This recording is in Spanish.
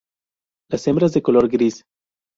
Las hembras de color gris.